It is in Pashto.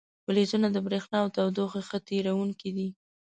فلزونه د برېښنا او تودوخې ښه تیروونکي دي.